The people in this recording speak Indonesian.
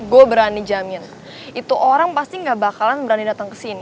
gue berani jamin itu orang pasti gak bakalan berani datang ke sini